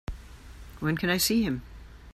When can I see him?